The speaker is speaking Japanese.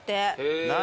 何？